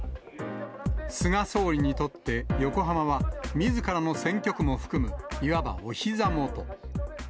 菅総理にとって、横浜はみずからの選挙区も含む、いわばおひざ元。